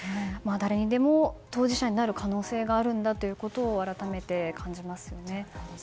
誰でも当事者になる可能性があるんだということを改めて感じますよね。